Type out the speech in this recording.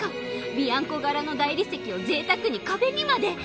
ビアンコ柄の大理石をぜいたくに壁にまで！